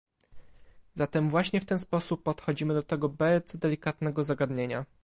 Zatem właśnie w ten sposób podchodzimy do tego bardzo delikatnego zagadnienia